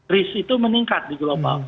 risk itu meningkat di global